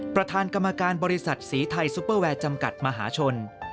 ประธานกรรมการบริษัทสีไทยซุปเปอร์แวร์จำกัดมหาชน